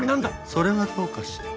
それはどうかしら。